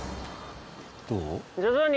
どう？